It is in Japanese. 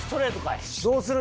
どうする？